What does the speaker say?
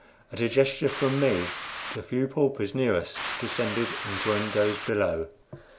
At a gesture from me the few paupers near us descended and joined those below.